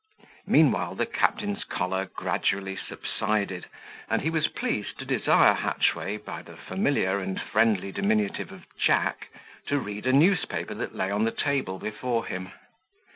Meanwhile, the captain's choler gradually subsided, and he was pleased to desire Hatchway, by the familiar and friendly diminutive of Jack, to read a newspaper that lay on the table before him.